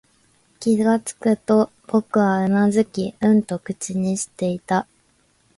気づくと、僕はうなずき、うんと口にしていた